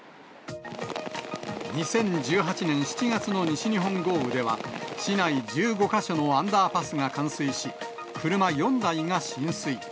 ２０１８年７月の西日本豪雨では、市内１５か所のアンダーパスが冠水し、車４台が浸水。